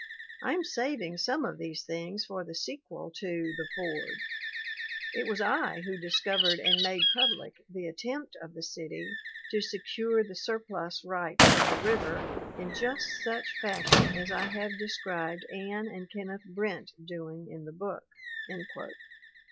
I am saving some of these things for the sequel to The Fordl It was I who discovered and made public the attempt of the city to secure the surplus rights of the river in just such fashion as I have described Anne and Kenneth Brent doing in the book."